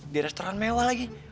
di restoran mewah lagi